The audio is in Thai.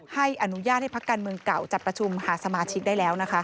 ให้อนุญาตให้พักการเมืองเก่าจัดประชุมหาสมาชิกได้แล้วนะคะ